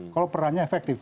kalau perannya efektif